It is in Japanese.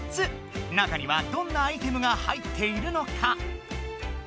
中にはどんなアイテムが入っているのか？